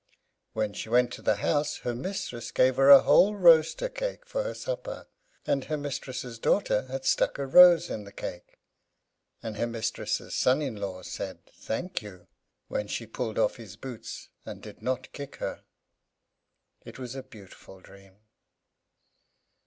When she went to the house her mistress gave her a whole roaster cake for her supper, and the mistress's daughter had stuck a rose in the cake; and her mistress's son in law said, "Thank you!" when she pulled off his boots, and did not kick her. It was a beautiful dream.